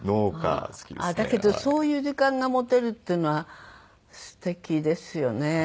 だけどそういう時間が持てるっていうのは素敵ですよね。